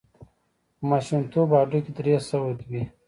په ماشومتوب هډوکي درې سوه وي.